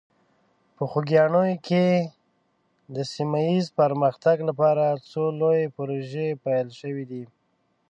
په خوږیاڼي کې د سیمه ایز پرمختګ لپاره څو لویې پروژې پیل شوي دي.